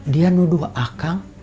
dia nuduh akang